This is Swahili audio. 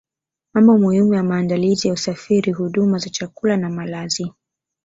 Mambo muhimu ya maandalizi ya usafiri huduma za chakula na malazi